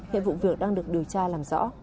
hiện vụ việc đang được điều tra làm rõ